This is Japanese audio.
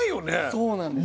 そうなんです。